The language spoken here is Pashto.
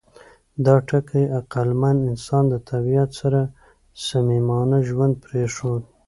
دا ټکي عقلمن انسان د طبیعت سره صمیمانه ژوند پرېښود.